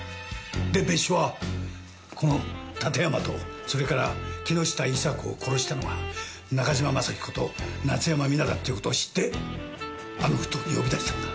で別所はこの館山とそれから木下伊沙子を殺したのは中島雅彦と夏山未奈だっていう事を知ってあの埠頭に呼び出したんだ。